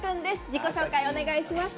自己紹介をお願いします。